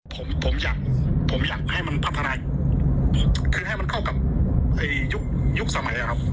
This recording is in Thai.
ผมอยากให้มันพัฒนาคคือให้มันเข้ากับยุคสมัยครับ